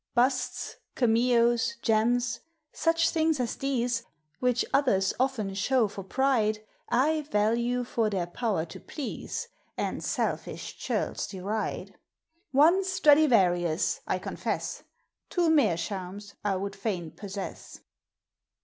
Busts, cameos, gems, such things as these, Which others often show for pride, JT value for their power to please, And selfish churls deride ; One St radivarius, I confess, Two meerschaums, I would fain possess.